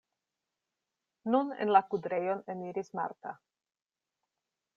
Nun en la kudrejon eniris Marta.